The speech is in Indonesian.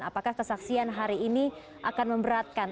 apakah kesaksian hari ini akan memberatkan